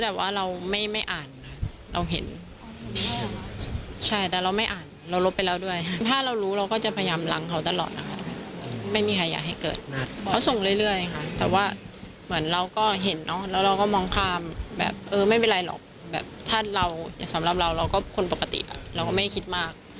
แบบถ้าเราอย่างสำหรับเราเราก็คนปกติอ่ะเราก็ไม่คิดมาก